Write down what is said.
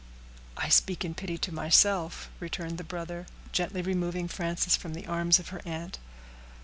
"I speak in pity to myself," returned the brother, gently removing Frances from the arms of her aunt.